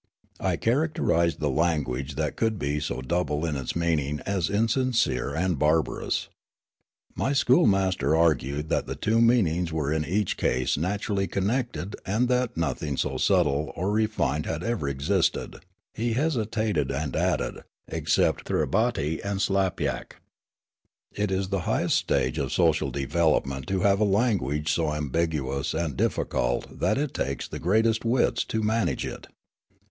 I characterised the language that could be so double in its meaning as insincere and barbarous. My school master argued that the two meanings were in each case naturally connected and that nothing so subtle or re fined had ever existed ; he hesitated and added, " ex cept Thribbaty and Slapyak. It is the highest stage of social development to have a language so ambiguous and difficult that it takes the greatest wits to manage it.